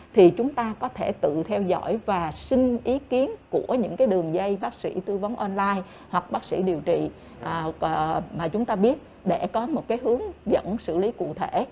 thì chúng ta có thể tự theo dõi và xin ý kiến của những đường dây bác sĩ tư vấn online hoặc bác sĩ điều trị mà chúng ta biết để có một cái hướng dẫn xử lý cụ thể